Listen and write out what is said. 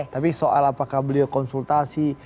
tapi soal apakah beliau konsultasi